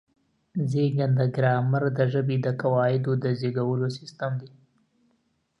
زېږنده ګرامر د ژبې د قواعدو د زېږولو سیستم دی.